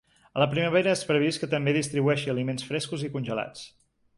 A la primavera es previst que també distribueixi aliments frescos i congelats.